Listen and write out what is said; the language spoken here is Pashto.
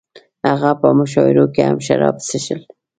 هغه په مشاعرو کې هم شراب څښل